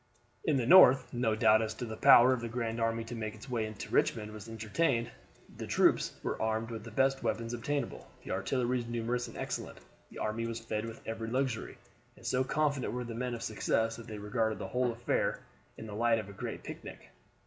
In the North no doubt as to the power of the grand army to make its way to Richmond was entertained. The troops were armed with the best weapons obtainable, the artillery was numerous and excellent, the army was fed with every luxury, and so confident were the men of success that they regarded the whole affair in the light of a great picnic.